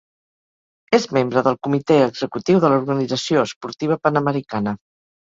És membre del Comitè Executiu de l'Organització Esportiva Panamericana.